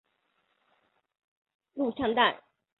录像带最后以佩芮反吃以人肉做成的西式馅饼作完结。